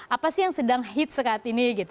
apa sih yang sedang hits saat ini gitu